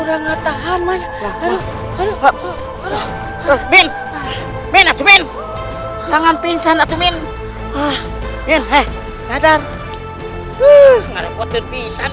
nggak ada poten pisah ini memang